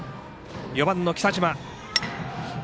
４番の北島。